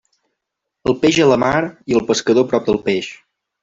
El peix a la mar, i el pescador prop del peix.